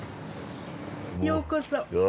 ようこそ。